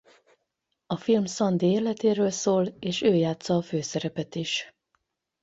A film Szandi életéről szól és ő játssza a főszerepet is.